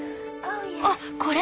あっこれ！